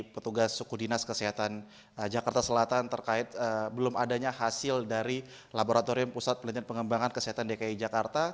petugas suku dinas kesehatan jakarta selatan terkait belum adanya hasil dari laboratorium pusat penelitian pengembangan kesehatan dki jakarta